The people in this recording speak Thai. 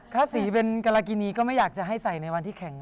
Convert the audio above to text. ถ้้าสีเป็นกระละกีนี้ก็จะไม่ให้ใส่ในวันที่แข่ง